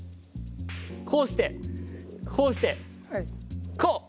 こうしてこうしてこう！